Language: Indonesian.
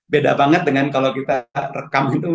beda banget dengan kalau kita rekam itu